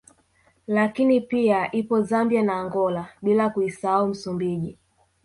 Lakini pia ipo Zambia na Angola bila kuisahau Msumbiji